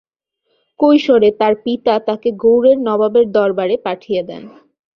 কৈশোরে তার পিতা তাকে গৌড়ের নবাবের দরবারে পাঠিয়ে দেন।